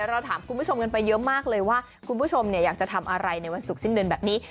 เราถามคุณผู้ชมกันไปเยอะมากเลยว่าคุณผู้ชมอยากจะทำอะไรในวันศุกร์สิ้นเดือนแบบนี้